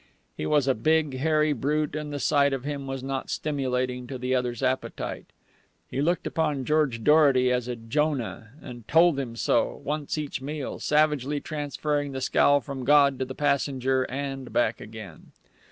_ He was a big, hairy brute, and the sight of him was not stimulating to the other's appetite. He looked upon George Dorety as a Jonah, and told him so, once each meal, savagely transferring the scowl from God to the passenger and back again.